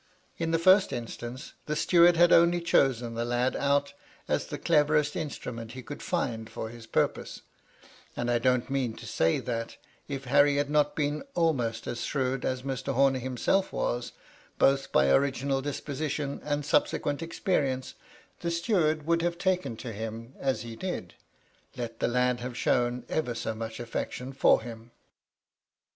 In the first instance; the steward had only chosen the lad out as the cleverest instrument he could find for his purpose ; and I don't mean to say that, if Harry had not been almost as shrewd as Mr. Homer himself was, both by original disposition and subsequent experience, the steward would have taken to him as he did, let the lad have shown ever so much afiection for him.